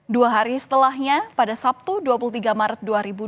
dua hari setelahnya pada sabtu dua puluh tiga maret